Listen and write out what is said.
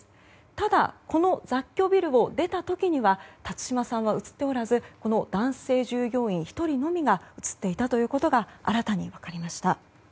ただ、この雑居ビルを出た時には辰島さんは映っておらず男性従業員１人のみが映っていたということが新たに分かりました。